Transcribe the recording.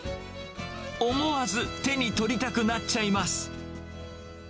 思わず手に取りたくなっちゃいます。